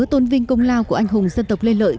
tôn vinh công lao của anh hùng dân tộc lê lợi